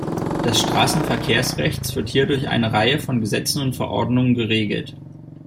Das Straßenverkehrsrecht wird hier durch eine Reihe von Gesetzen und Verordnungen geregelt.